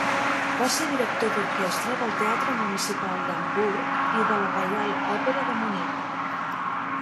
Va ser director d'orquestra del Teatre Municipal d'Hamburg i de la Reial Òpera de Munic.